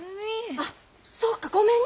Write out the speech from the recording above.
あっそうかごめんね。